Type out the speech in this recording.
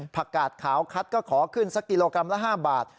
กาดขาวคัดก็ขอขึ้นสักกิโลกรัมละ๕บาท